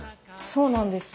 そうなんです。